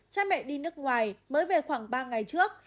cha mẹ đi nước ngoài mới về khoảng ba ngày trước